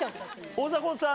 大迫さん